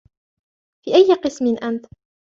في أي قسم أنت؟